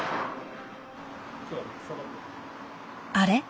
あれ？